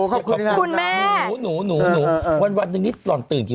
ขอบคุณครับคุณแม่หนูหนูหนูหนูวันวันหนึ่งนี่ตอนตื่นกี่